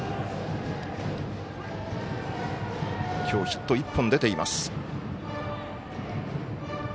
きょうヒット１本出ています。